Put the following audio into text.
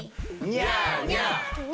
ニャーニャー。